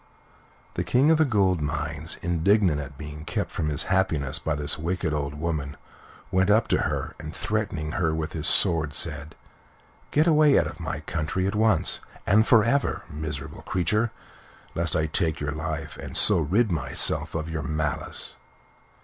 The King of the Gold Mines, indignant at being kept from his happiness by this wicked old woman, went up to her, and threatening her with his sword, said: "Get away out of my country at once, and for ever, miserable creature, lest I take your life, and so rid myself of your malice."